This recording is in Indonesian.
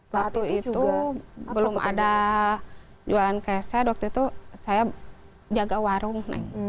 waktu itu belum ada jualan keset waktu itu saya jaga warung